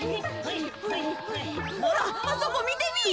ほらあそこみてみい。